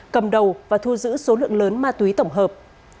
cầm đầu và thu giữ số lượng lớn ma túy tổng hợp